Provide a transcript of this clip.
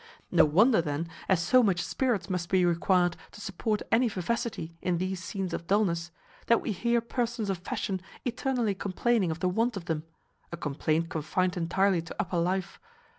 No wonder then, as so much spirits must be required to support any vivacity in these scenes of dulness, that we hear persons of fashion eternally complaining of the want of them; a complaint confined entirely to upper life.